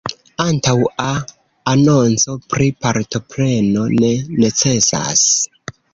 Antaŭa anonco pri partopreno ne necesas.